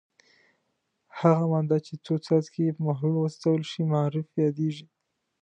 هغه ماده چې څو څاڅکي یې په محلول وڅڅول شي معرف یادیږي.